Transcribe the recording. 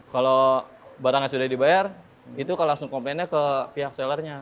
kalau barangnya sudah dibayar itu langsung komplainnya ke pihak sellernya